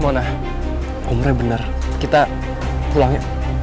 mona omre bener kita pulang ya